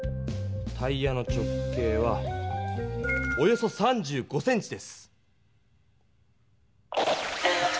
タイヤの直径はおよそ３５ｃｍです。